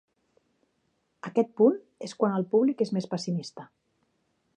Aquest punt és quan el públic és més pessimista.